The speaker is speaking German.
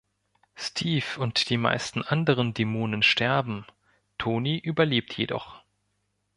Steve und die meisten anderen Dämonen sterben, Tony überlebt jedoch.